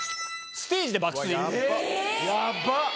ステージで？